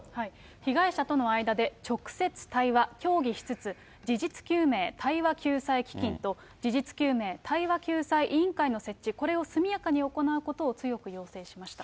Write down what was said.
被害者との間で直接対話、協議しつつ、事実究明・対話救済基金と、事実究明・対話救済委員会の設置、これを速やかに行うことを強く要請しました。